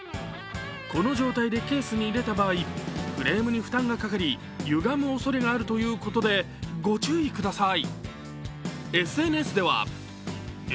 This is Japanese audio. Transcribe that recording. この状態でケースに入れた場合、フレームに負担がかかり、ゆがむおそれがあるということでご注意ください。